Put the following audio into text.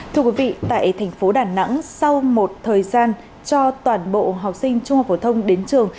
thưa quý vị tại thành phố đà nẵng sau một thời gian cho toàn bộ học sinh trung học phổ thông đến trường